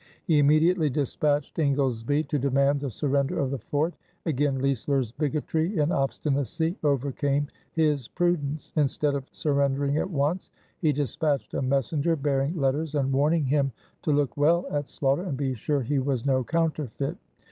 He immediately dispatched Ingoldesby to demand the surrender of the fort. Again Leisler's bigotry and obstinacy overcame his prudence. Instead of surrendering at once he dispatched a messenger bearing letters and warning him to look well at Sloughter and be sure he was no counterfeit.